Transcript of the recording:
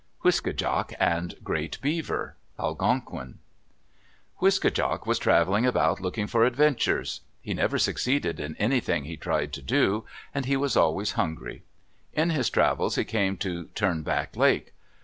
WISKE DJAK AND GREAT BEAVER Algonquin Wiske djak was traveling about, looking for adventures. He never succeeded in anything he tried to do, and he was always hungry. In his travels he came to Turn back Lake.